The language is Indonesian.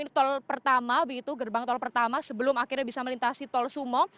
ini tol pertama begitu gerbang tol pertama sebelum akhirnya bisa melintasi tol sumong